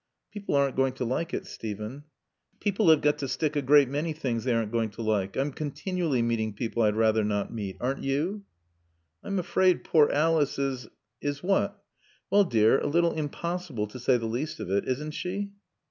"People aren't going to like it, Steven." "People have got to stick a great many things they aren't going to like. I'm continually meeting people I'd rather not meet. Aren't you?" "I'm afraid poor Alice is " "Is what?" "Well, dear, a little impossible, to say the least of it. Isn't she?"